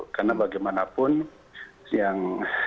karena bagaimanapun yang